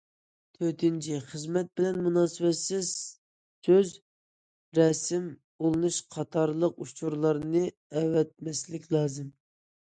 تۆتىنچى، خىزمەت بىلەن مۇناسىۋەتسىز سۆز، رەسىم، ئۇلىنىش قاتارلىق ئۇچۇرلارنى ئەۋەتمەسلىك لازىم.